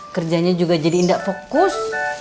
kerjanya juga jadi tidak fokus